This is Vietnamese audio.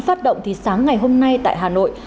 phát động thì sáng ngày hôm nay tại hà nội